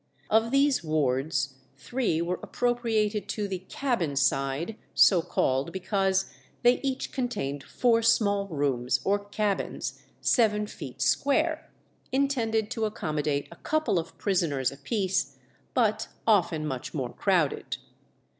Of these wards, three were appropriated to the "cabin side," so called because they each contained four small rooms or "cabins" seven feet square, intended to accommodate a couple of prisoners apiece, but often much more crowded.